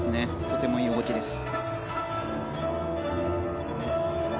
とてもいい動きです。